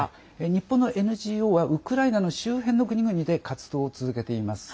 日本のＮＧＯはウクライナの周辺の国々で活動を続けています。